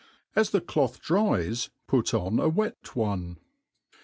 As the cloth dries, put on a wet one.